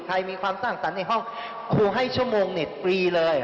มีความสร้างสรรค์ในห้องครูให้ชั่วโมงเน็ตฟรีเลย